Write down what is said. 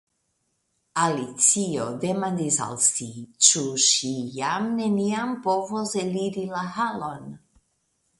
Alicio demandis al si, ĉu ŝi jam neniam povos eliri la halon.